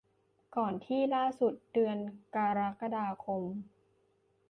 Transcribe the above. ก่อนที่ล่าสุด เดือนกรกฎาคม